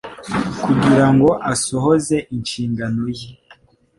Kugira ngo asohoze inshingano ye,